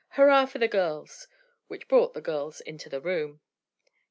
"Hurrah for the girls!" Which brought the girls into the room.